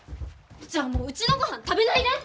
じゃあもううちのごはん食べないで！